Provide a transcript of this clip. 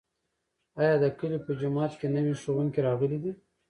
ایا د کلي په جومات کې نوی ښوونکی راغلی دی؟